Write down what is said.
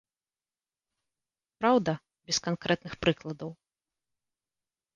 Праўда, без канкрэтных прыкладаў.